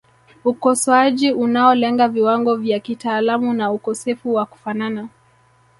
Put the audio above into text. Ukosoaji unaolenga viwango vya kitaalamu na ukosefu wa kufanana